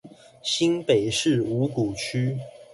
新北市五股區